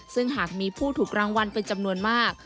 ซึ่งหากมีผู้ถูกรางวัลเป็นจำนวนมาก